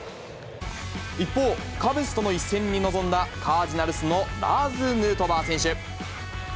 一方、カブスとの一戦に臨んだカージナルスのラーズ・ヌートバー選手。